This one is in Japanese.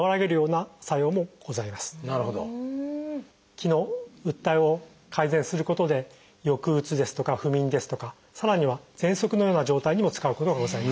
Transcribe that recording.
気のうっ滞を改善することで抑うつですとか不眠ですとかさらにはぜんそくのような状態にも使うことがございます。